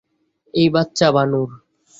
এই বাচ্চা ভানুর?